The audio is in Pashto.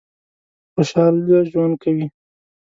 په خوشحالی ژوند کوی؟